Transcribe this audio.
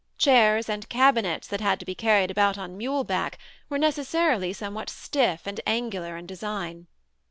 Chairs and cabinets that had to be carried about on mule back were necessarily somewhat stiff and angular in design.